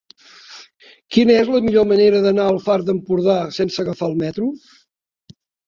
Quina és la millor manera d'anar al Far d'Empordà sense agafar el metro?